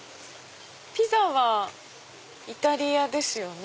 ピザはイタリアですよね。